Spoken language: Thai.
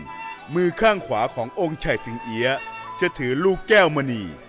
มือข้างขวาขององค์ชัยสิงเอี๊ยจะถือลูกแก้วมณี